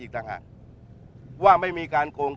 อีกทางหนังว่าไม่มีการโครง